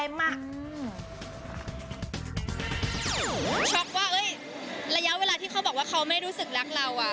ช็อกว่าระยะเวลาที่เขาบอกว่าเขาไม่รู้สึกรักเรา